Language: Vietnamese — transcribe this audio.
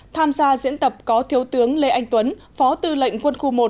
tham gia diễn tập có thiếu tướng lê anh tuấn phó tư lệnh quân khu một